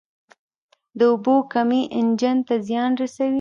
د اوبو کمی انجن ته زیان رسوي.